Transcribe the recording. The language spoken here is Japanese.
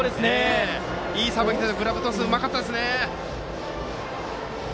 いいさばきでグラブトスうまかったですね。